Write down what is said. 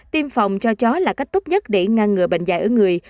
tiêm phòng cho chó là cách tốt nhất để ngăn ngừa bệnh dạy ở người